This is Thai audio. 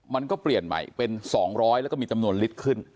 มันก็เปลี่ยนใหม่เป็น๒๐๐แล้วก็มีจำนวนลิตรขึ้น